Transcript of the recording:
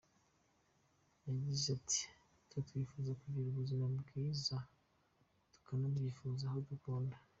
Yagize ati “Twe twifuza kugira ubuzima bwiza, tukanabyifuriza abo dukunda.